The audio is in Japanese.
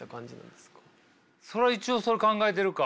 そら一応それ考えてるか。